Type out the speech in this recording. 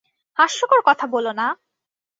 হাস্যকর কথা বোলো না!